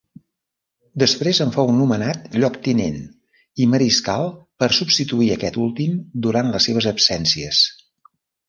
Després en fou nomenat lloctinent i mariscal per substituir aquest últim durant les seves absències.